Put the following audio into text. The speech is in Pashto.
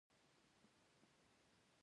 هغوی یوځای د پاک لمر له لارې سفر پیل کړ.